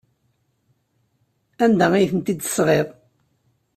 Anda ay tent-id-tesɣiḍ?